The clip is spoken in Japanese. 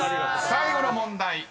［最後の問題